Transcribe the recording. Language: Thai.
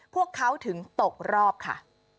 พวกเขาถึงตกรอบค่ะ